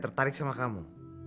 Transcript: saya tertarik sama kamu